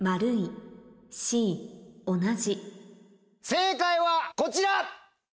正解はこちら！